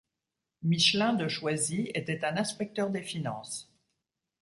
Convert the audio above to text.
Michelin de Choisy était un Inspecteur des Finances.